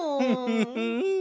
フフフフン！